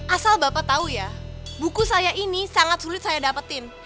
asal bapak tahu ya buku saya ini sangat sulit saya dapetin